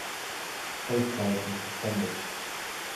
Both players were suspended.